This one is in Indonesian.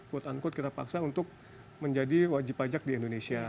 put on quote kita paksa untuk menjadi wajib pajak di indonesia